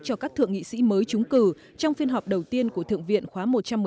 cho các thượng nghị sĩ mới trúng cử trong phiên họp đầu tiên của thượng viện khóa một trăm một mươi